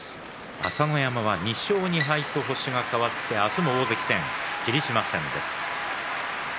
朝乃山は２勝２敗と星が変わって明日も大関戦、霧島戦です。